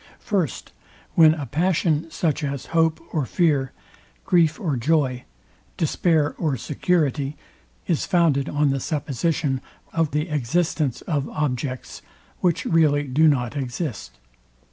First, When a passion, such as hope or fear, grief or joy, despair or security, is founded on the supposition or the existence of objects, which really do not exist.